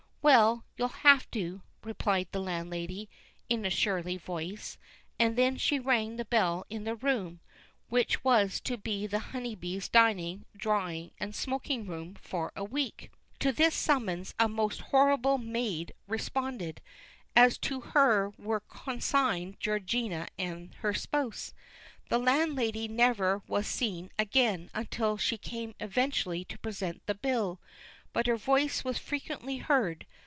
"Well, you'll have to," replied the landlady, in a surly voice, and then she rang the bell in the room, which was to be the Honeybee's dining, drawing, and smoking room for a week. To this summons a most horrible "maid" responded, and to her were consigned Georgina and her spouse. The landlady never was seen again until she came eventually to present the bill; but her voice was frequently heard.